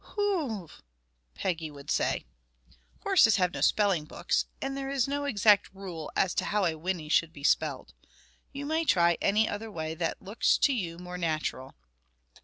"Hooonh!" Peggy would say. (Horses have no spelling books, and there is no exact rule as to how a whinny should be spelled. You may try any other way that looks to you more natural.)